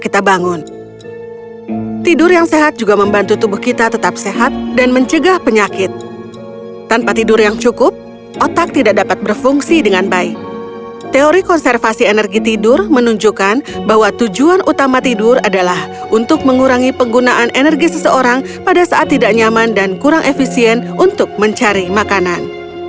tujuan utama tidur adalah untuk mengurangi penggunaan energi seseorang pada saat tidak nyaman dan kurang efisien untuk mencari makanan